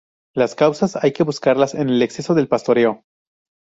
Las causas hay que buscarlas en el exceso de pastoreo.